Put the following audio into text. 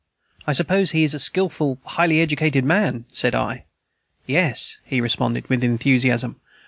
"I suppose he is a skilful, highly educated man," said I. "Yes," he responded with enthusiasm.